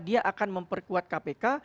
dia akan memperkuat kpk